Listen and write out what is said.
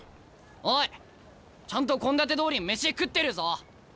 おいちゃんと献立どおり飯食ってるぞ。